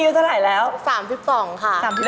คุณผัวใหม่สวัสดีครับคุณคุ้ง